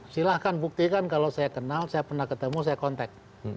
silahkan buktikan kalau saya kenal saya pernah ketemu saya kontak